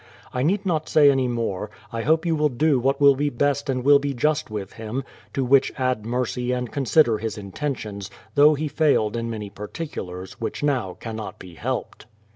I need not say any more ; I hope you will do what will be best and will be just with him, to which add mercy and consider his intentions, though he failed in many par ticulars, which now cannot be helped.